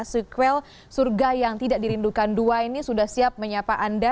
sequel surga yang tidak dirindukan dua ini sudah siap menyapa anda